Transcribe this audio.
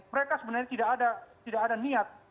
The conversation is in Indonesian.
mereka sebenarnya tidak ada niat